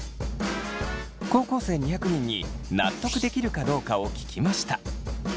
高校生２００人に納得できるかどうかを聞きました。